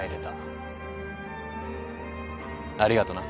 ありがとな。